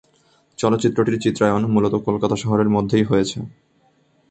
চলচ্চিত্রটির চিত্রায়ন মূলত কলকাতা শহরের মধ্যেই হয়েছে।